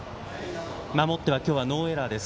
守っては今日はノーエラーです。